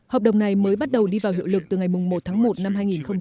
hợp đồng này mới bắt đầu đi vào hiệu lực từ ngày một tháng một năm hai nghìn hai mươi